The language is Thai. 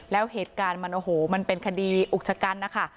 แล้วเหตุการณ์เป็นคดีอุกชะกั้นนะคะ